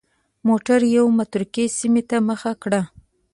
موټر یوې متروکې سیمې ته مخه کړه.